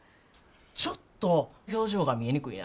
ちょっと表情が見えにくいな。